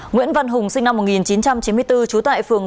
nguyễn văn hùng sinh năm một nghìn chín trăm chín mươi bốn trú tại phường